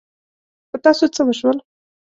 په تاسو څه وشول؟